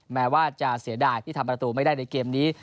แม้ว่าจะเสียดายที่ทำประตูไม่ได้ในเกมนี้